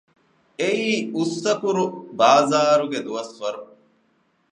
އެއީ އުއްސަކުރު ބާޒާރުގެ ދުވަސްވަރު